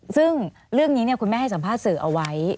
ซึ่งเรื่องนี้คุณแม่ให้สัมภาษณ์สื่อเอาไว้